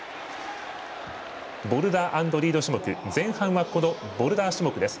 ボルダー＆リード種目前半は、ボルダー種目です。